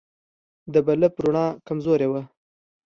د بلب رڼا کمزورې وه.